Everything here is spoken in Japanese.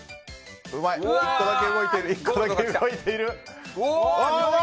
１個だけ動いている！